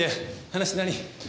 話って何？